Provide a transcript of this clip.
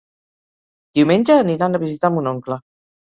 Diumenge aniran a visitar mon oncle.